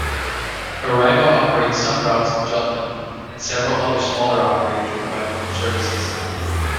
Arriva operates some routes in Jutland, and several other smaller operators provide local services.